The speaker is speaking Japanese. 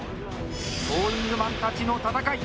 トーイングマンたちの戦い